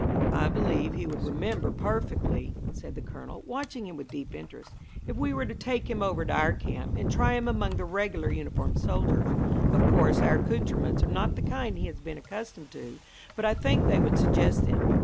"I believe he would remember perfectly," said the Colonel, watching him with deep interest, "if we were to take him over to our camp, and try him among the regular uniformed soldiers. Of course our accoutrements are not the kind he has been accustomed to, but I think they would suggest them.